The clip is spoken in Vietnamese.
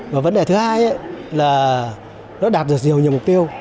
và vấn đề thứ hai là nó đạt được nhiều nhiều mục tiêu